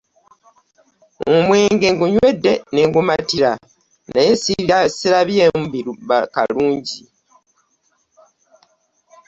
Omwenge ngunywedde n'engumatira naye sirabyemu karunji .